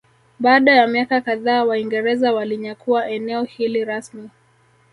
Baada ya miaka kadhaa Waingereza walinyakua eneo hili rasmi